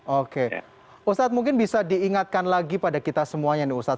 oke ustadz mungkin bisa diingatkan lagi pada kita semuanya nih ustadz